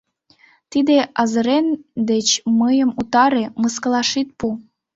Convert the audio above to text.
Тиде азырен деч мыйым утаре, мыскылаш ит пу!..